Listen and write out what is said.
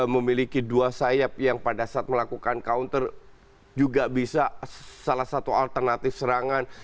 memiliki dua sayap yang pada saat melakukan counter juga bisa salah satu alternatif serangan